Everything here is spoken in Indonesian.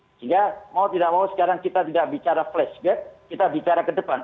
sehingga mau tidak mau sekarang kita tidak bicara flash gap kita bicara ke depan